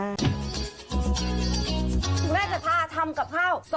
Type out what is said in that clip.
คุณแม่จะพาทำกับข้าว